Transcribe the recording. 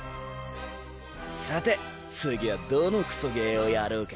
さて次はどのクソゲーをやろうか。